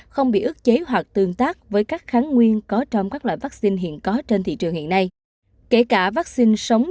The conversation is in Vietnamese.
không bị ước chế hoặc tương tác với các kháng nguyên có trong các loại vaccine hiện có trên thị trường